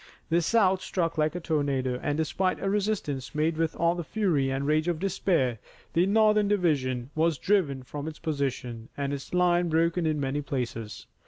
The South struck like a tornado, and despite a resistance made with all the fury and rage of despair, the Northern division was driven from its position, and its line broken in many places.